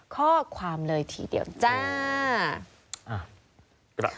ข้อความเลยทีเดียวจ้า